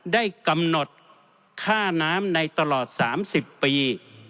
ได้กำหนดค่าน้ำในตลอด๓๐ปี